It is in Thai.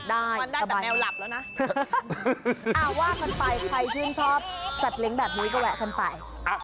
ได้ต่อไปนะครับอ๋อว่ากันไปใครชื่นชอบสัตว์เล็งแบบนี้ก็แวะกันไป